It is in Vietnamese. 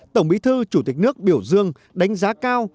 tổng bí thư chủ tịch nước biểu dương đánh giá cao